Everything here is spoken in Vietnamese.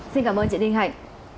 xin cảm ơn chị đinh hạnh